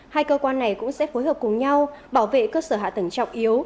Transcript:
hai cơ quan này cũng sẽ phối hợp cùng nhau bảo vệ cơ sở hạ tầng trọng yếu